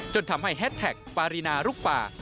จนทำให้แฮสแท็กปารีนาลูกป่า